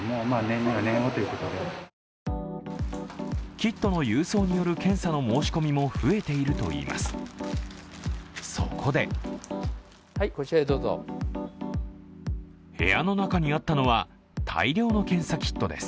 キットの郵送による検査の申し込みも増えているといいます。